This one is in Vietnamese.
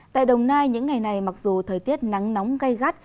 tại đồng nai những ngày này mặc dù thời tiết nắng nóng gây gắt